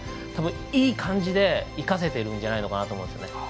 たぶん、いい感じで生かせているんじゃないかなと思うんですよね。